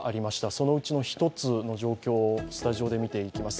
そのうちの１つの状況をスタジオで見ていきます。